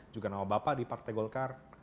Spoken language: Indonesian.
juga nama bapak di partai golkar